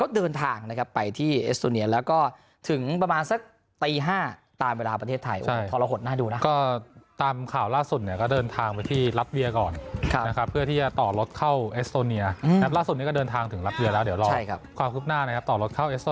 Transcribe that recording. เดินทางแล้วเดี๋ยวรอความทรึกหน้า